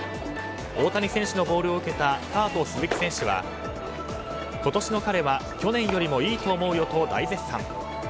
大谷選手のボールを受けたカート・スズキ選手は今年の彼は去年よりもいいと思うよと大絶賛。